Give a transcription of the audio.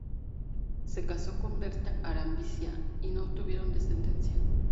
Se casó con Berta Arancibia y no tuvieron descendencia.